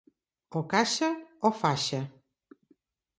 O caixa o faixa.